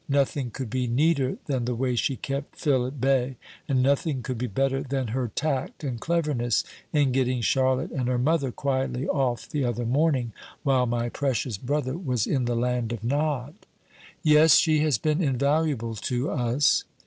Nothing could be neater than the way she kept Phil at bay; and nothing could be better than her tact and cleverness in getting Charlotte and her mother quietly off the other morning while my precious brother was in the land of nod." "Yes, she has been invaluable to us."